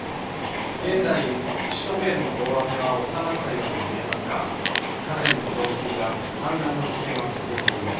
現在首都圏の大雨は収まったように見えますが河川の増水や氾濫の危険は続いています。